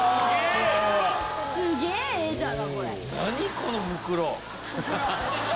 この袋。